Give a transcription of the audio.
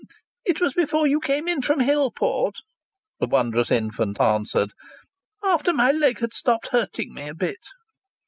"It was before you came in from Hillport," the wondrous infant answered. "After my leg had stopped hurting me a bit."